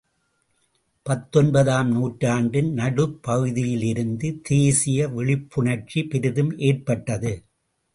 பத்தொன்பது ஆம் நூற்றாண்டின் நடுப்பகுதியிலிருந்து தேசிய விழிப்புணர்ச்சி பெரிதும் ஏற்பட்டது.